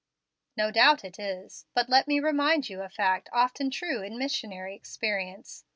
"No doubt it is; but let me remind you of a fact often true in missionary experience.